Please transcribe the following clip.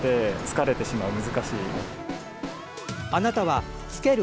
あなたは着ける？